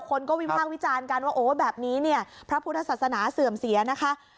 คนก็วิพากษ์วิจารณ์กันว่าโอ้แบบนี้เนี่ยพระพุทธศาสนาเสื่อมเสียนะคะ